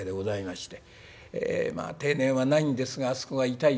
定年はないんですがあそこが痛い